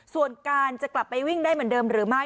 ส่วนการจะกลับไปวิ่งได้เหมือนเดิมหรือไม่